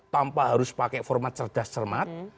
tanpa harus pakai format cerdas cermat